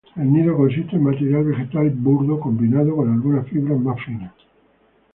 El nido consiste de material vegetal burdo combinado con algunas fibras más finas.